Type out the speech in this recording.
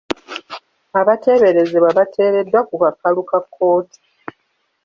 Abateeberezebwa bateereddwa ku kakalu ka kkooti.